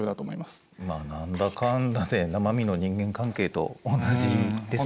まあ何だかんだで生身の人間関係と同じですよね。